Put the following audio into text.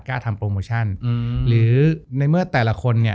กล้าทำโปรโมชั่นหรือในเมื่อแต่ละคนเนี่ย